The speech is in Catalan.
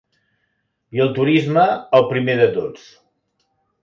I el turisme, el primer de tots.